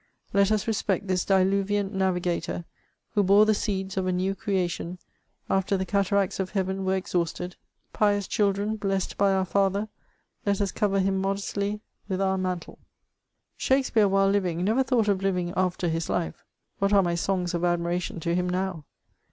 Let us respect this diluvian navigator, who bore the seeds of a new creation, after the cataracts of Heaven were exhausted : pious children, blessed by our father, let us cover him modestly with our mantle . Shakspeare, while living, never thought of living after his life : what are my songs of admiration to him now?